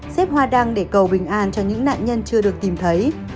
xếp hoa đăng để cầu bình an cho những nạn nhân chưa được tìm thấy